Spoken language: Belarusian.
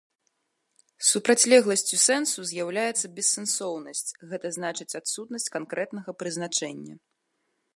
Супрацьлегласцю сэнсу з'яўляецца бессэнсоўнасць, гэта значыць адсутнасць канкрэтнага прызначэння.